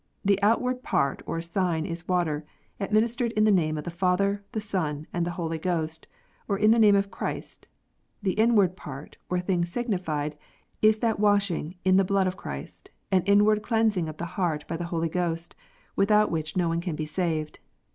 The out ward part or sign is water, administered in the name of the Father, the Son, and the Holy Ghost, or in the name of Christ. The inward part, or thing signified, is that washing in the blood of Christ, and inward cleansing of the heart by the Holy Ghost, without which no one can be saved.